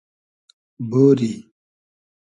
بۉری